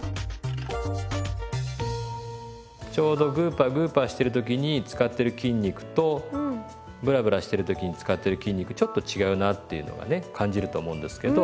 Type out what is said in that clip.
ちょうどグーパーグーパーしてる時に使ってる筋肉とブラブラしてる時に使ってる筋肉ちょっと違うなっていうのがね感じると思うんですけど。